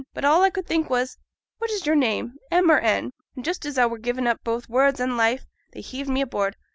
But all a could think on was, "What is your name, M or N?" an' just as a were giving up both words and life, they heaved me aboard.